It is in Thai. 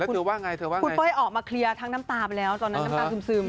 คุณเป้ยออกมาเคลียร์ทั้งน้ำตาไปแล้วตอนนั้นน้ำตาซึม